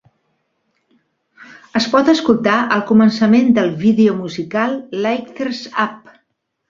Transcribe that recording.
Es pot escoltar al començament del vídeo musical "Lighters Up".